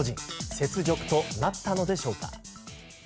雪辱となったのでしょうか。